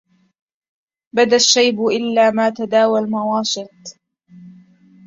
بدا الشيب إلا ما تداوي المواشط